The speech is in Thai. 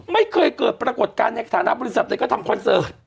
ไม่เคยเกิดปรากฏการณ์ในฐานะบริษัทตัวเองก็ทำคอนเสิร์ต